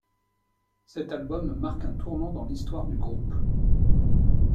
Cet album marque un tournant dans l'histoire du groupe.